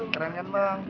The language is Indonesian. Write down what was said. keren banget sih